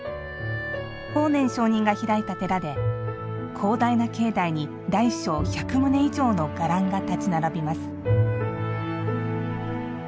法然上人が開いた寺で広大な境内に大小１００棟以上の伽藍が立ち並びます。